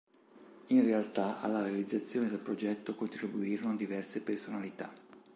In realtà alla realizzazione del progetto contribuirono diverse personalità.